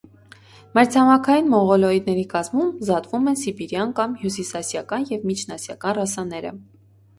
Մայրցամաքային մոնղոլոիդների կազմում զատվում են սիբիրյան կամ հյուսիսասիական և միջինասիական ռասաները։